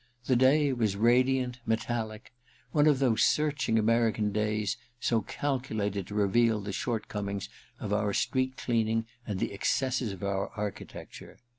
The day was radiant, metallic : one of those searching American days so calculated to reveal the short comings of our street cleaning and the excesses of our architecture.